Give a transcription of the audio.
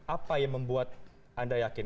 apa yang membuat anda yakin